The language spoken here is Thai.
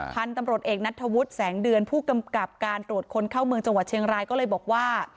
พันธุ์ตำรวจเอกนัทธวุฒิแสงเดือนผู้กำกับการตรวจคนเข้าเมืองจังหวัดเชียงรายก็เลยบอกว่า